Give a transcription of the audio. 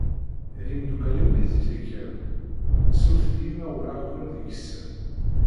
D imdukal-iw i d ttrika-w. Surfet-iyi ma ɣulleɣ-ken deg-sen.